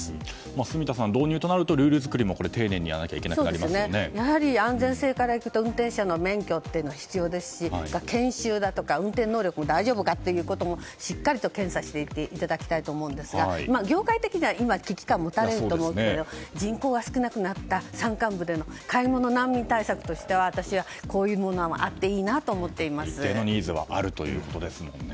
住田さん、導入となるとルール作りも安全性から行くと運転者の免許は必要ですし研修だとか運転能力、大丈夫かとかもしっかりと検査していただきたいと思いますが業界的には危機感を持たれると思うけど人口が少なくなった山間部での買い物難民対策としては私はこういうものは一定のニーズはありますよね。